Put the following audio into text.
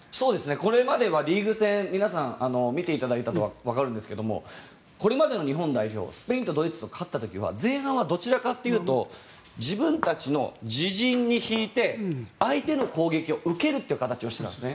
これまではリーグ戦皆さん見ていただいたらわかると思うんですがスペイン戦、ドイツ戦これまでの日本代表前半はどちらかというと自分たちの自陣に引いて相手の攻撃を受けるという形だったんですね。